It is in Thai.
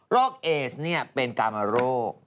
เอสเป็นกรรมโรค